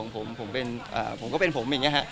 ผมผมก็เป็นผมอย่างนี้ฮะ